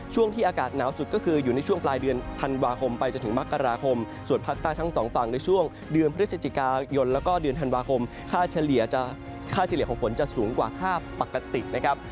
ช่วงที่อากาศหนาวสุดก็คืออยู่ในช่วงปลายเดือนธันวาคมไปจนถึงมกราคมส่วนภาคใต้ทั้งสองฝั่งในช่วงเดือนพฤศจิกายนแล้วก็เดือนธันวาคมค่าเฉลี่ยค่าเฉลี่ยของฝนจะสูงกว่าค่าปกตินะครับ